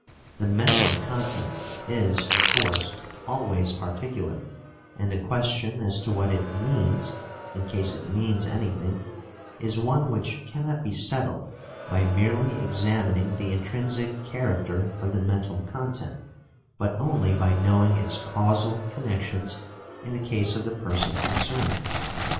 The mental content is, of course, always particular, and the question as to what it "means" (in case it means anything) is one which cannot be settled by merely examining the intrinsic character of the mental content, but only by knowing its causal connections in the case of the person concerned.